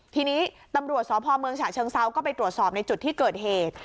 ทีนี้ตำรวจสพเมืองฉะเชิงเซาก็ไปตรวจสอบในจุดที่เกิดเหตุ